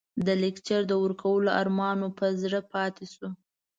د لکچر د ورکولو ارمان مو په زړه پاتې شو.